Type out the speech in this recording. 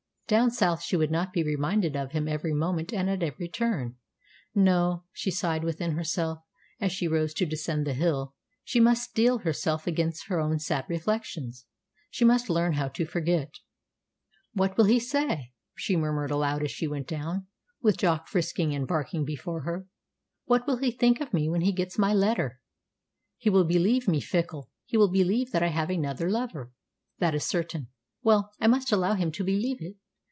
Down south she would not be reminded of him every moment and at every turn. No, she sighed within herself as she rose to descend the hill, she must steel herself against her own sad reflections. She must learn how to forget. "What will he say?" she murmured aloud as she went down, with Jock frisking and barking before her. "What will he think of me when he gets my letter? He will believe me fickle; he will believe that I have another lover. That is certain. Well, I must allow him to believe it.